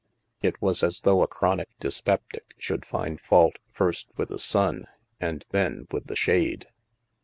It was as though a chronic dyspeptic should find fault first with the sun and then with the shade.